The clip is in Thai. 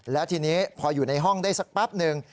แล้วทีนี้พออยู่ในห้องได้สักแป๊บหนึ่ง